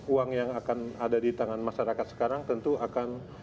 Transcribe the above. uang yang akan ada di tangan masyarakat sekarang tentu akan